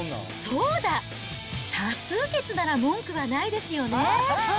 そうだ、多数決なら文句はないですよね？